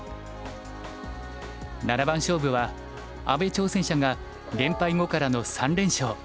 七番勝負は阿部挑戦者が連敗後からの３連勝。